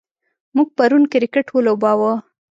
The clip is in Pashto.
موږ پرون کرکټ ولوباوه.